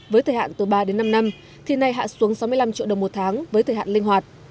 với thời hạn từ ba đến năm năm thì nay hạ xuống sáu mươi năm triệu đồng một tháng với thời hạn linh hoạt